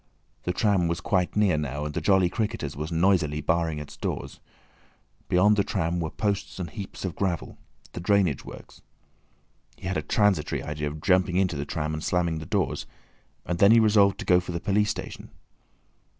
The tram was quite near now, and the "Jolly Cricketers" was noisily barring its doors. Beyond the tram were posts and heaps of gravel—the drainage works. He had a transitory idea of jumping into the tram and slamming the doors, and then he resolved to go for the police station.